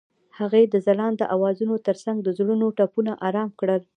هغې د ځلانده اوازونو ترڅنګ د زړونو ټپونه آرام کړل.